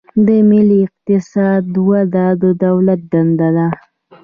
د ملي اقتصاد وده د دولت دنده ده.